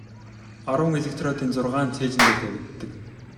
Арван электродын зургаа нь цээжин дээр тавигддаг.